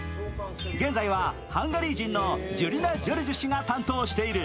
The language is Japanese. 現在は、ハンガリー人のジュリナ・ジョルジュ氏が担当している。